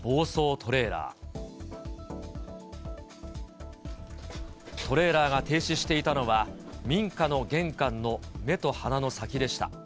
トレーラーが停止していたのは、民家の玄関の目と鼻の先でした。